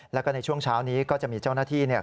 แล้วก็ในช่วงเช้านี้ก็จะมีเจ้าหน้าที่เนี่ย